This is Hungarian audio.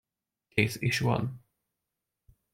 Kész is van.